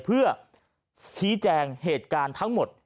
เพื่อชี้แจงเหตุการณ์ทั้งหมด